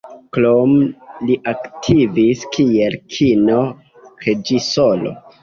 Krome li aktivis kiel Kino-reĝisoro.